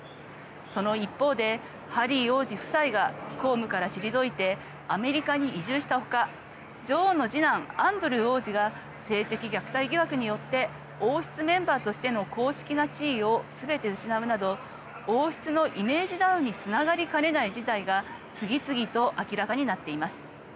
その一方で、ハリー王子夫妻が公務から退いてアメリカに移住したほか女王の次男アンドルー王子が性的虐待疑惑によって王室メンバーとしての公式な地位をすべて失うなど王室のイメージダウンにつながりかねない事態が次々と明らかになっています。